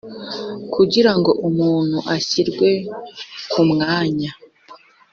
Kugira ngo umuntu ashyirwe ku mwanya